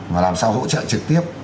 mà làm sao hỗ trợ trực tiếp